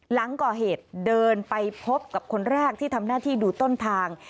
หลังก่อเหตุเดินไปพบกับคนแรกที่ทำหน้าที่ดูต้นทาง